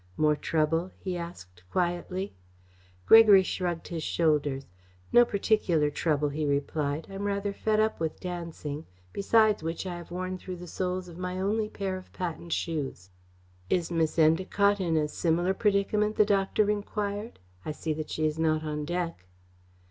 "More trouble?" he asked quietly. Gregory shrugged his shoulders. "No particular trouble," he replied. "I'm rather fed up with dancing, besides which I have worn through the soles of my only pair of patent shoes." "Is Miss Endacott in a similar predicament?" the doctor enquired. "I see that she is not on deck."